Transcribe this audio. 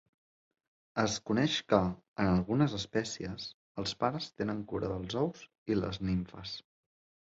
Es coneix que, en algunes espècies, els pares tenen cura dels ous i les nimfes.